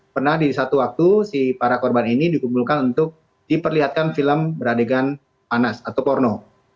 pernah di satu waktu si para korban ini dikumpulkan untuk diperlihatkan film beradegan panas atau porno